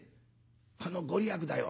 この御利益だよ。